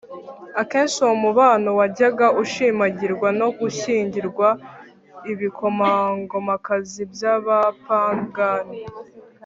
akenshi uwo mubano wajyaga ushimangirwa no gushyingirwa ibikomangomakazi by'abapagani